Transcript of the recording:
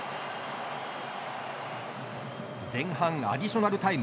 前半アディショナルタイム。